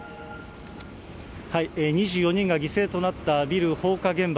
２４人が犠牲となったビル放火現場。